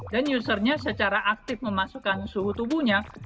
dan usernya secara aktif memasukkan suhu tubuhnya